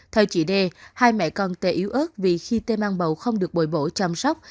theo chị đê hai mẹ con tê yếu ớt vì khi te mang bầu không được bồi bổ chăm sóc